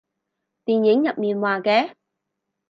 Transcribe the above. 電影入面話嘅